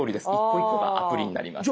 １個１個がアプリになります。